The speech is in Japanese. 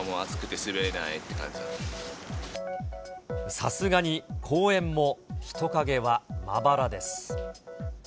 さすがに公園も人影はまばらです。